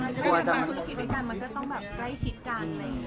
ถ้าทำมีธุรกิจด้วยกันมันก็ต้องแบบใกล้ชิดกัน